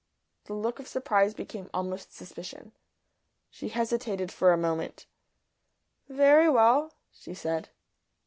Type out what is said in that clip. The look of surprise became almost suspicion. She hesitated for a moment. "Very well," she said.